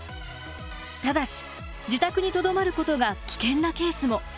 ただし自宅にとどまることが危険なケースも。